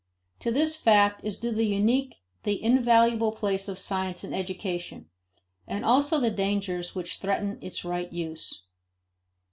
To this fact is due the unique, the invaluable place of science in education, and also the dangers which threaten its right use.